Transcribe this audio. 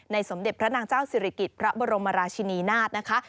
สมเด็จพระนางเจ้าศิริกิจพระบรมราชินีนาฏนะคะ